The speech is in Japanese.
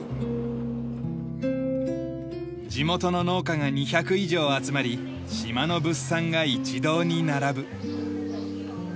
地元の農家が２００以上集まり島の物産が一堂に並ぶ。